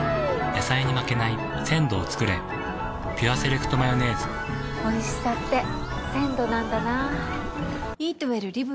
野菜に負けない鮮度をつくれ「ピュアセレクトマヨネーズ」おいしさって鮮度なんだな。